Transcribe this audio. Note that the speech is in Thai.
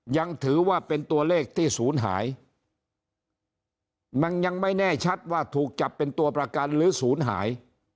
ยังถือว่าเป็นตัวเลขที่ศูนย์หายมันยังไม่แน่ชัดว่าถูกจับเป็นตัวประกันหรือศูนย์หาย